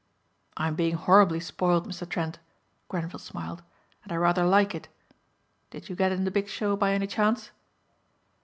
"I'm being horribly spoiled, Mr. Trent," Grenvil smiled, "and I rather like it. Did you get in the big show by any chance?"